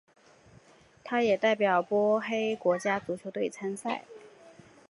他也代表波黑国家足球队参赛。